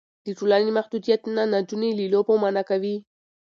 د ټولنې محدودیتونه نجونې له لوبو منع کوي.